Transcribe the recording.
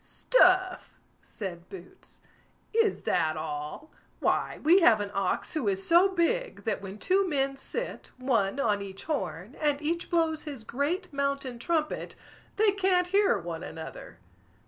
"Stuff!" said Boots; "is that all? why, we have an ox who is so big, that when two men sit, one on each horn, and each blows his great mountain trumpet, they can't hear one another."